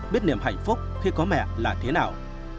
biết niềm hạnh phúc khi có mẹ là thế nào